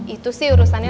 itu sih urusannya